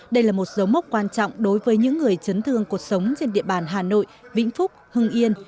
đây là một dấu mốc quan trọng đối với những người chấn thương cuộc sống trên địa bàn hà nội vĩnh phúc hưng yên